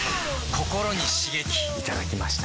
ココロに刺激いただきました。